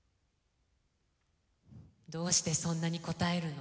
どうしてそんなに答えるの。